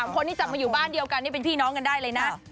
คนที่จับมาอยู่บ้านเดียวกันนี่เป็นพี่น้องกันได้เลยนะ